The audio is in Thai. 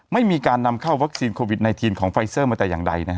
ไม่มีการนำเข้าวัคซีนโควิด๑๙ของไฟเซอร์มาแต่อย่างใด